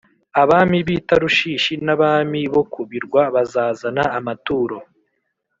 abami b’i tarushishi n’abami bo ku birwa bazazana amaturo.